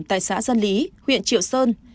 tại xã dân lý huyện triệu sơn